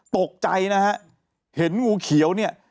ตกใจนะฮะเห็นงูเขียวเนี่ย